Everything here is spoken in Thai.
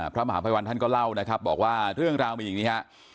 พระมหาภัยวันท่านก็เล่านะครับบอกว่าเรื่องราวมีอย่างนี้ฮะ